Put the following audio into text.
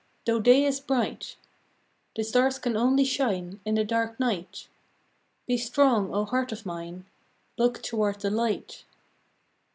Though day is bright, The stars can only shine In the dark night, Be strong, O Heart of mine, Look toward the light!